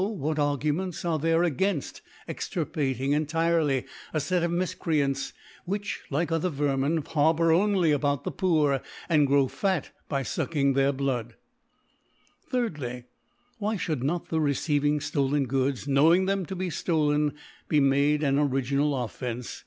What Arguments are there againft extirpating entirely a Set of Mifcrcants which, like other Vermin, harbour only about the Poor, and grow fat by fueking their Iglood ? ^dly^ Why ihoold not the receiving fto len Goods, knowing them to be (lolen, be made an original Offence?